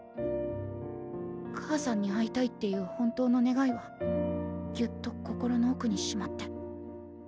「母さんに会いたい」っていう本当の願いはぎゅっと心のおくにしまって。